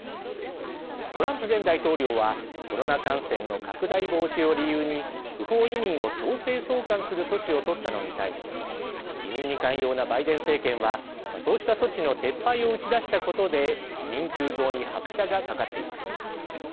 トランプ前大統領はコロナ感染の拡大防止を理由に不法移民を強制送還する措置を取ったのに対し移民に寛容なバイデン政権はそうした措置の撤廃を打ち出したことで移民急増に拍車がかかっています。